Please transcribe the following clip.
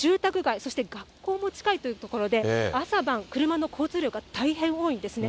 そして学校も近いという所で、朝晩車の交通量が大変多いんですね。